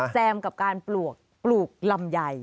แซมกับการปลูกปลูกลำใหญ่